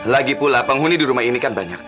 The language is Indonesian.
lagipula penghuni di rumah ini kan banyak